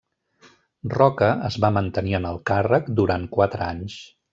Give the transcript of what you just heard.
Roca es va mantenir en el càrrec durant quatre anys.